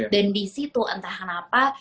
dan disitu entah kenapa